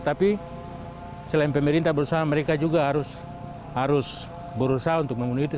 tapi selain pemerintah berusaha mereka juga harus berusaha untuk membunuh itu